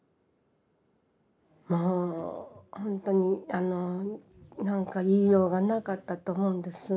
もうほんとになんか言いようがなかったと思うんです。